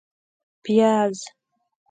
🧅 پیاز